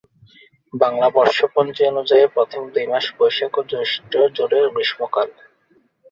বাংলা বর্ষপঞ্জি অনুযায়ী প্রথম দুই মাস বৈশাখ ও জ্যৈষ্ঠ জুড়ে গ্রীষ্মকাল।